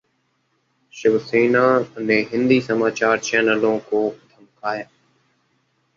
शिवसेना ने हिंदी समाचार चैनलों को धमकाया